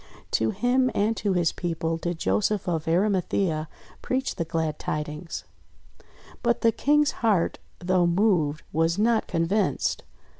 To him and to his people did Joseph of Arimathea preach the glad tidings; but the King's heart, though moved, was not convinced.